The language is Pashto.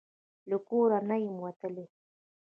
له کور نه یمه وتلې